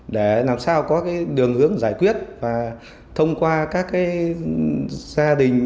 để làm sao có đường hướng giải quyết và thông qua các gia đình